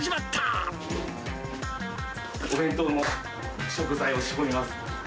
お弁当の食材を仕込みます。